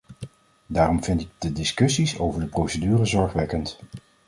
Daarom vind ik de discussies over de procedure zorgwekkend.